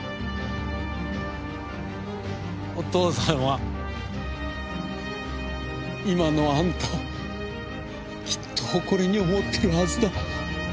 お父さんは今のあんたをきっと誇りに思ってるはずだ。